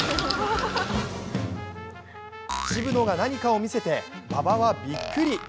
渋野が何かを見せて馬場はビックリ。